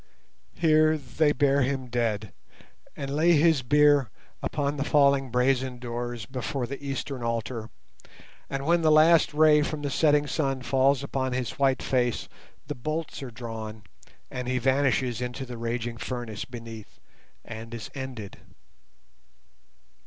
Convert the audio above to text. Here they bear him dead and lay his bier upon the falling brazen doors before the eastern altar, and when the last ray from the setting sun falls upon his white face the bolts are drawn and he vanishes into the raging furnace beneath and is ended.